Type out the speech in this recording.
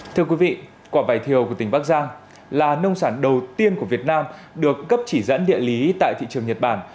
thưa quý vị quả vải thiều của tỉnh bắc giang là nông sản đầu tiên của việt nam được cấp chỉ dẫn địa lý tại thị trường nhật bản